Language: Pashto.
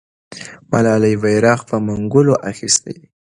ملالۍ بیرغ په منګولو اخیستی دی.